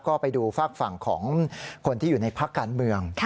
ก็ไปดูฝากฝั่งของคนที่อยู่ในพักการเมือง